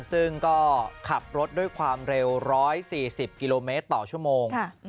ซึ่งก็ขับรถด้วยความเร็ว๑๔๐กิโลเมตรต่อชั่วโมง